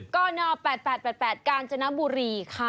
ก็เนาะ๘๘๘๘กาญจนบุรีค่ะ